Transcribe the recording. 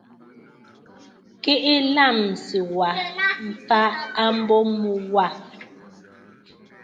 Keʼe lâmsì wa mfa a mbo mu wâ.